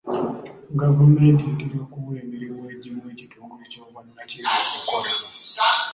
Gavumenti etera okuwa emirimu egimu ekitongole ky'obwannakyewa okukola.